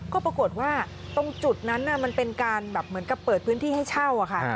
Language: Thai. ก็ปรากฏว่าตรงจุดนั้นมันเป็นการแบบเหมือนกับเปิดพื้นที่ให้เช่าค่ะ